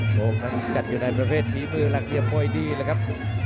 โมงนั้นจัดอยู่ในประเภทฝีมือหลักเหลี่ยมมวยดีเลยครับ